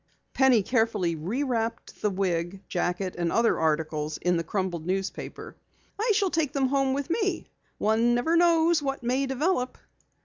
Penny carefully rewrapped the wig, jacket, and other articles in the crumpled newspaper. "I shall take them home with me. One never knows what may develop."